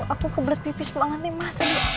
aku kebelet pipis banget nih mas